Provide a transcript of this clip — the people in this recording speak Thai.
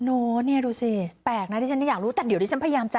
โน้เนี่ยดูสิแปลกนะที่ฉันอยากรู้แต่เดี๋ยวดิฉันพยายามจะ